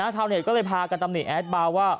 ชาวเน็ตก็เลยพากันตำหนิแอดบาร์ว่า